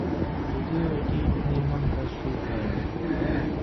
যদিও এটির নির্মাণকাজ শুরু হয়নি।